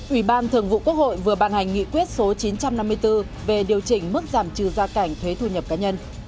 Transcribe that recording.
ủy ban thường vụ quốc hội vừa ban hành nghị quyết số chín trăm năm mươi bốn về điều chỉnh mức giảm trừ gia cảnh thuế thu nhập cá nhân